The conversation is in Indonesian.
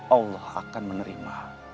allah akan menerima